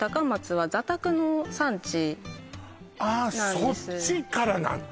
そっちからなんだ？